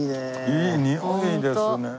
いいにおいですね。